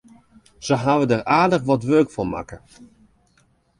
Se hawwe der aardich wat wurk fan makke.